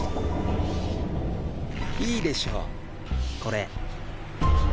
いいでしょこれ。